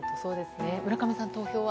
村上さん、投票は？